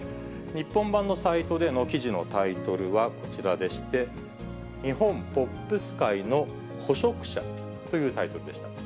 日本版のサイトでの記事のタイトルはこちらでして、日本ポップス界の捕食者というタイトルでした。